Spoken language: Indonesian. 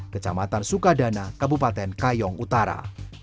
kecamatan sukadana kabupaten kayong utara